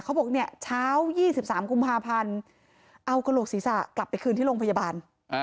เขาบอกเนี่ยเช้า๒๓กุมภาพันธ์เอากระโหลกศีรษะกลับไปคืนที่โรงพยาบาล